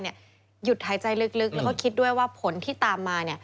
หยุดหายใจลึกแล้วก็คิดด้วยว่าผลที่ตามมา